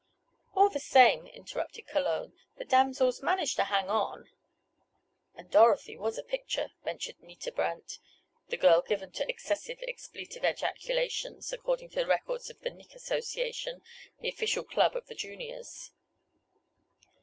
"All the same," interrupted Cologne, "the damsels manage to hang on." "And Dorothy was a picture," ventured Nita Brant, the girl given to "excessive expletive ejaculations," according to the records of the Nick Association, the official club of the Juniors.